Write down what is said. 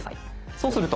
そうすると。